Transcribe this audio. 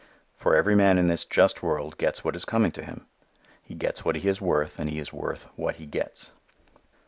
For every man in this just world gets what is coming to him. He gets what he is worth, and he is worth what he gets.